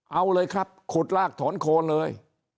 เอาเลยครับขุดลากถอนโคนเลย